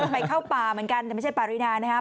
ไปเข้าป่าเหมือนกันแต่ไม่ใช่ปารินานะครับ